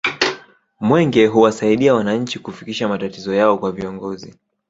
mwenge huwasaidia wananchi kufikisha matatizo yao kwa viongozi